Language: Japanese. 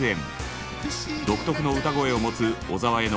独特の歌声を持つ小沢への。